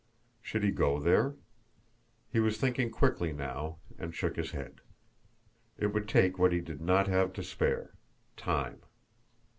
Should he go there? He was thinking quickly now, and shook his head. It would take what he did not have to spare time.